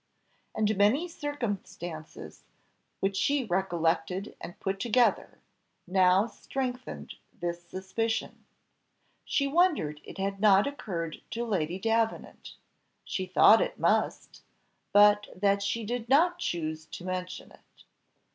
And many circumstances, which she recollected and put together, now strengthened this suspicion. She wondered it had not occurred to Lady Davenant; she thought it must, but that she did not choose to mention it.